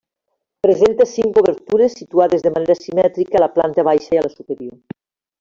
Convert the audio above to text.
Presenta cinc obertures, situades de manera simètrica a la planta baixa i a la superior.